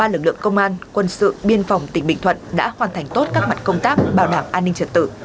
ba lực lượng công an quân sự biên phòng tỉnh bình thuận đã hoàn thành tốt các mặt công tác bảo đảm an ninh trật tự